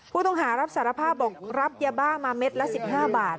ผู้ต้องหารับสารภาพบอกรับยาบ้ามาเม็ดละ๑๕บาท